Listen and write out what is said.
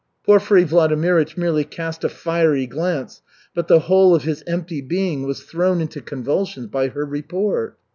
Porfiry Vladimirych merely cast a fiery glance, but the whole of his empty being was thrown into convulsions by her "report."